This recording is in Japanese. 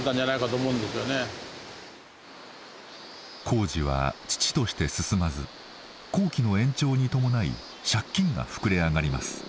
工事は遅々として進まず工期の延長に伴い借金が膨れ上がります。